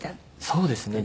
そうですね